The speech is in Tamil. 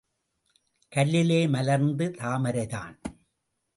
கல்லிலே மலர்ந்த தாமரைதான்.